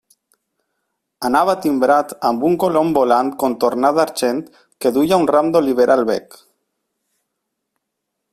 Anava timbrat amb un colom volant contornat d'argent que duia un ram d'olivera al bec.